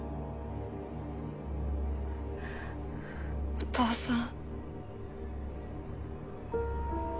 お父さん。